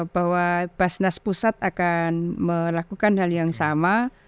bahwa basnas pusat akan melakukan hal yang sama